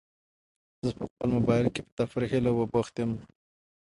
زه په خپل موبایل کې په تفریحي لوبو بوخت یم.